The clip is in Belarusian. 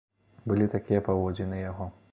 Былі такія паводзіны яго.